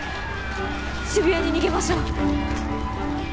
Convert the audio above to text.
渋谷に逃げましょう。